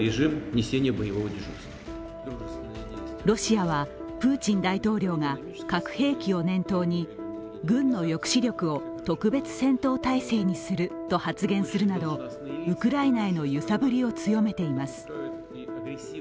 ロシアはプーチン大統領が核兵器を念頭に軍の抑止力を特別戦闘態勢にすると発言するなど、ウクライナへの揺さぶりを強めています。